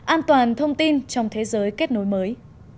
an toàn thông tin trong thế giới kết nối mới